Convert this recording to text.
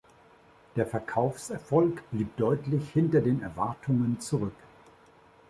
Der Verkaufserfolg blieb deutlich hinter den Erwartungen zurück.